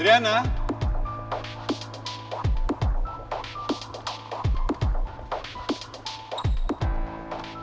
di mana itu